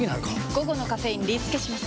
午後のカフェインリスケします！